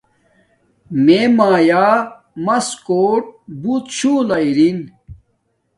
میے میآ مس کوٹ بوت شُولہ اری